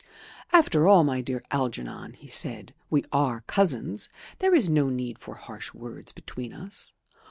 "After all, my dear Algernon," he said, "we are cousins. There is no need for harsh words between us.